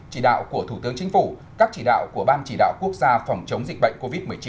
chỉ đạo của thủ tướng chính phủ các chỉ đạo của ban chỉ đạo quốc gia phòng chống dịch bệnh covid một mươi chín